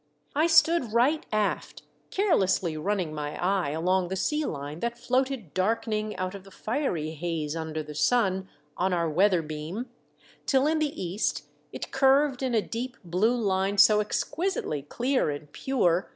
I stood right aft, carelessly running my eye along the sea line that floated darkening out of the fiery haze under the sun on our weather beam, till in the east it curved in a deep, blue line so exquisitely clear and pure 34S THE DEATH SHIP.